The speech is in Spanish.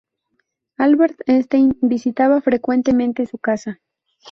Albert Einstein visitaba frecuentemente su casa.